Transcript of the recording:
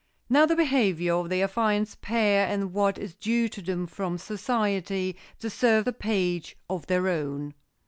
Now, the behavior of the affianced pair and what is due to them from society deserve a page of their own.